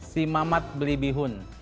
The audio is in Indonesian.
si mamat beli bihun